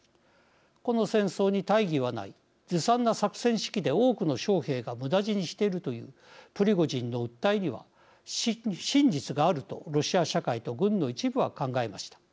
この戦争に大義はないずさんな作戦指揮で多くの将兵が無駄死にしているというプリゴジンの訴えには真実があるとロシア社会と軍の一部は考えました。